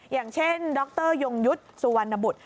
อย่างเช่นดรยงยุทธ์สุวรรณบุตร